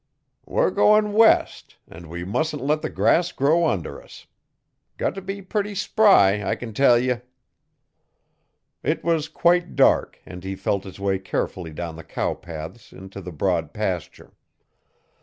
'We're goin' west an' we mustn't let the grass grow under us. Got t'be purty spry I can tell ye.' It was quite dark and he felt his way carefully down the cow paths into the broad pasture.